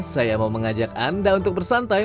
saya mau mengajak anda untuk bersantai